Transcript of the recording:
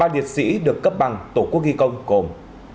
ba liệt sĩ được cấp bằng tổ quốc ghi công gồm